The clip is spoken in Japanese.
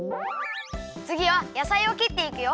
つぎはやさいをきっていくよ。